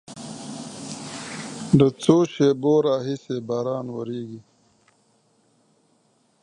The senior officer decides to teach Russell the ways of Samurai sword fighting.